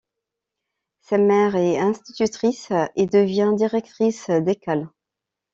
Sa mère est institutrice et devient directrice d'école.